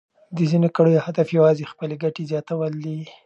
د ځینو کړیو هدف یوازې خپلې ګټې زیاتول دي.